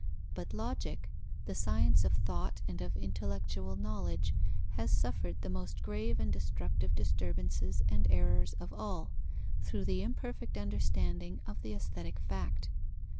But Logic, the science of thought and of intellectual knowledge, has suffered the most grave and destructive disturbances and errors of all, through the imperfect understanding of the aesthetic fact.